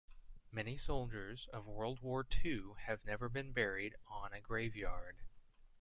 Many soldiers of world war two have never been buried on a grave yard.